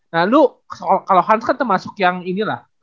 nah lu kalo hans kan termasuk yang ini lah